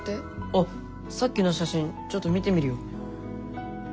あっさっきの写真ちょっと見てみるよ。